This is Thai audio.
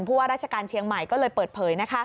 ว่าราชการเชียงใหม่ก็เลยเปิดเผย